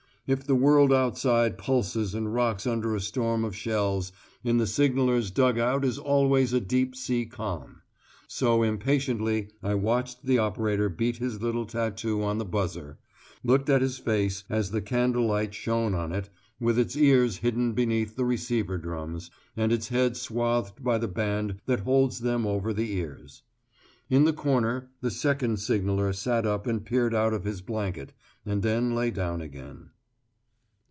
If the world outside pulses and rocks under a storm of shells, in the signallers' dug out is always a deep sea calm. So impatiently I watched the operator beat his little tattoo on the buzzer; looked at his face, as the candle light shone on it, with its ears hidden beneath the receiver drums, and its head swathed by the band that holds them over the ears. In the corner, the second signaller sat up and peered out of his blanket, and then lay down again.